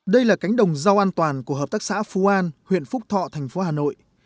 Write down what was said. đây là cánh đồng rau an toàn của hợp tác xã phú an huyện phúc thọ thành phố hà nội